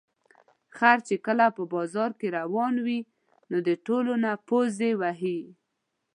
خر چې کله په بازار کې روان وي، نو د ټولو نه پوزې وهي.